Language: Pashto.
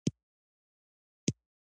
زه میوه خورم